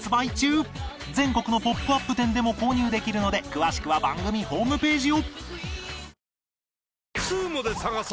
全国のポップアップ店でも購入できるので詳しくは番組ホームページを